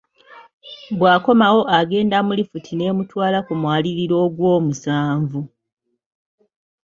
Bw'akomawo agenda mu lifuti n'emutwala ku mwaliiro ogwomusanvu.